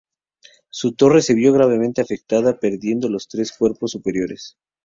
Su torre se vio gravemente afectada, perdiendo los tres cuerpos superiores.